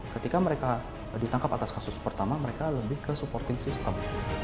ketika mereka ditangkap atas kasus pertama mereka lebih ke supporting system